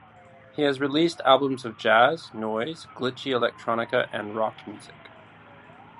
He has released albums of jazz, noise, glitchy electronica and rock music.